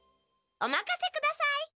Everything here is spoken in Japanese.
おまかせください。